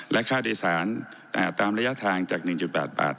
และค่าโดยสารตามระยะทางจาก๑๘บาท